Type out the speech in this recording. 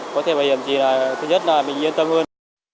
có thể bảo hiểm thì thứ nhất là mình yên tâm hơn